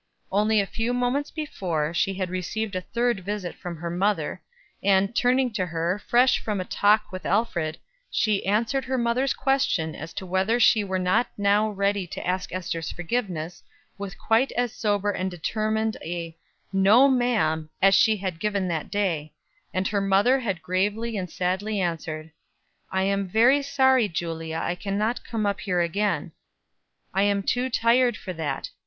Only a few moments before she had received a third visit from her mother; and, turning to her, fresh from a talk with Alfred, she had answered her mother's question as to whether she were not now ready to ask Ester's forgiveness, with quite as sober and determined a "No, ma'am," as she had given that day; and her mother had gravely and sadly answered, "I am very sorry, Julia I can't come up here again; I am too tired for that.